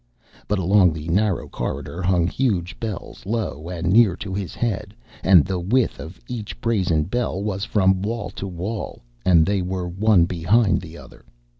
But along the narrow corridor hung huge bells low and near to his head, and the width of each brazen bell was from wall to wall, and they were one behind the other.